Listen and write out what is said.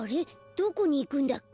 どこにいくんだっけ？